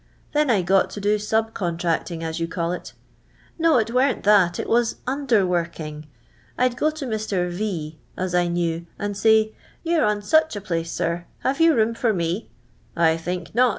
Then I uot to do sub con tracting, as you call it. No, it weren't that, it was under w.jrkinif. I 'd go to Mr. V as I knew, and say, * You 're on such a place, sir, have you room for me V • I think not.'